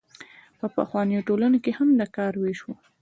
په پخوانیو ټولنو کې هم د کار ویش و.